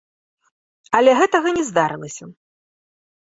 Але гэтага не здарылася.